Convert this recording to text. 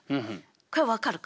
これ分かるか？